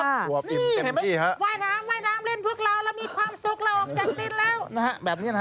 นี่เห็นไหมว่ายน้ำว่ายน้ำเล่นพวกเราแล้วมีความสุขเราออกจากดินแล้วนะฮะแบบนี้นะฮะ